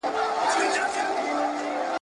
زه خالق یم را لېږلې زه مي زېری د یزدان یم !.